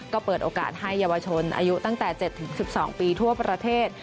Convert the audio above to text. ก็เปิดโอกาสให้เยาวชนอายุตั้งแต่๗๑๒ปีทั่วประเทศ